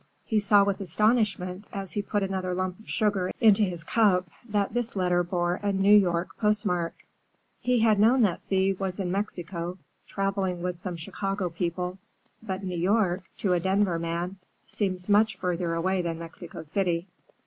He saw with astonishment, as he put another lump of sugar into his cup, that this letter bore a New York postmark. He had known that Thea was in Mexico, traveling with some Chicago people, but New York, to a Denver man, seems much farther away than Mexico City.